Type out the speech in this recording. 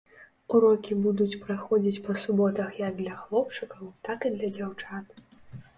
Урокі будуць праходзіць па суботах як для хлопчыкаў, так і для дзяўчат.